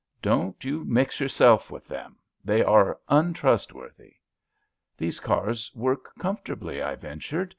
Don't you mix yourself with them. They are ontrustworthy.'* ^^ These cars work comfortably,'* I ventured.